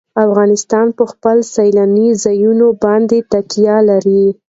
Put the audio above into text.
افغانستان په خپلو سیلاني ځایونو باندې تکیه لري.